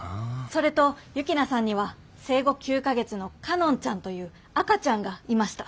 それと幸那さんには生後９か月の佳音ちゃんという赤ちゃんがいました。